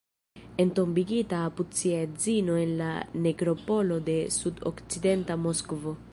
Entombigita apud sia edzino en la nekropolo de sud-okcidenta Moskvo.